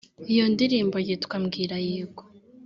iyo ndirimbo yitwa “Mbwira yego”